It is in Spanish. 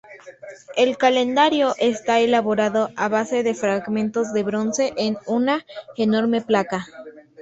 El calendario está elaborado a base de fragmentos de bronce en una enorme placa.